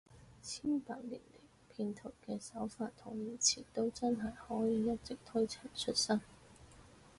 千百年來，騙徒嘅手法同言辭都真係可以一直推陳出新